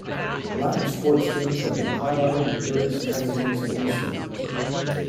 Latin sports teams have been highlighted in various magazines and newspapers.